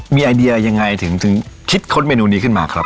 มีไอเดียยังไงถึงคิดค้นเมนูนี้ขึ้นมาครับ